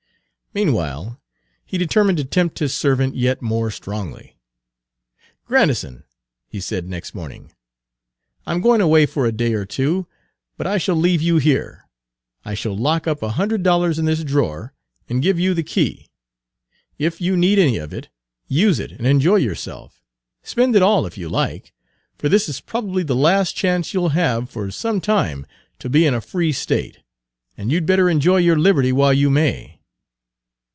Meanwhile he determined to tempt his servant yet more strongly. "Grandison," he said next morning, "I 'm going away for a day or two, but I shall leave you here. I shall lock up a hundred dollars in this drawer and give you the key. If you need any of it, use it and enjoy yourself, spend it all if you like, for this is probably the last chance you'll have for some time to be in a free State, and you 'd better enjoy your liberty while you may."